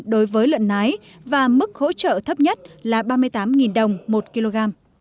đối với lợn nái và mức hỗ trợ thấp nhất là ba mươi tám đồng một kg